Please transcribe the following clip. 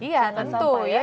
iya tentu ya